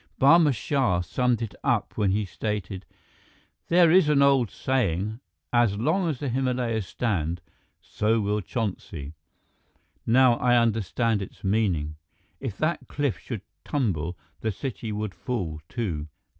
Barma Shah summed it up when he stated: "There is an old saying: 'As long as the Himalayas stand, so will Chonsi.' Now I understand its meaning. If that cliff should tumble, the city would fall, too."